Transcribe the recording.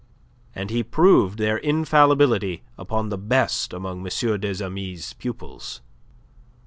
And he proved their infallibility upon the best among M. des Amis' pupils.